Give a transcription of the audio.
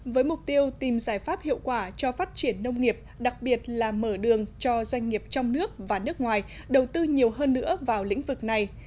với mục tiêu tìm giải pháp hiệu quả cho phát triển nông nghiệp đặc biệt là mở đường cho doanh nghiệp trong nước và nước ngoài đầu tư nhiều hơn nữa vào lĩnh vực này